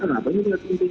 kenapa ini tidak penting